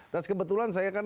terus kebetulan saya kan